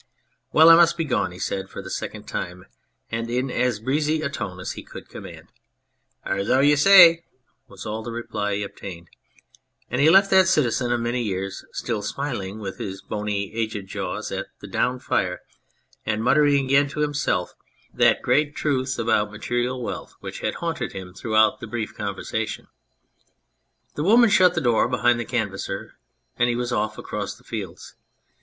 " Well, I must be gone," he said for the second time, and in as breezy a tone as he could command. " Ar, zo you zay !" was all the reply he obtained, and he left that citizen of many years still smiling with his bony aged jaws at the down fire, and muttering again to himself that great truth ' about 110 The Canvasser material wealth which had haunted him throughout the brief conversation. The woman shut the door behind the Canvasser, and he was off across the fields.